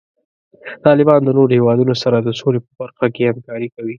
طالبان د نورو هیوادونو سره د سولې په برخه کې همکاري کوي.